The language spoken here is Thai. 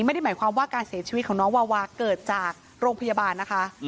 ไม่ได้หมายความว่าการเสียชีวิตของน้องวาวาเกิดจากโรงพยาบาลนะคะ